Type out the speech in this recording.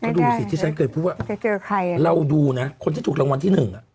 ก็ดูสิที่ฉันเคยพูดว่าจะเจอใครอ่ะเราดูนะคนที่ถูกรางวัลที่หนึ่งอ่ะ